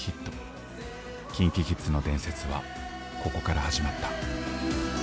ＫｉｎＫｉＫｉｄｓの伝説はここから始まった。